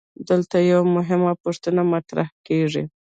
دلته یوه مهمه پوښتنه مطرح کیږي.